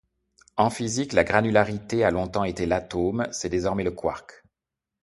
En physique la granularité a longtemps été l'atome, c'est désormais le quark.